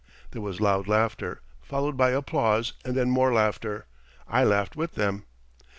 There was loud laughter, followed by applause, and then more laughter. I laughed with them.